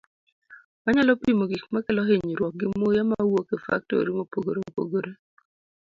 Wanyalo pimo gik ma kelo hinyruok gi muya mawuok e faktori mopogore opogore.